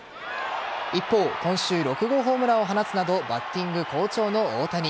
一方、今週６号ホームランを放つなどバッティング好調の大谷。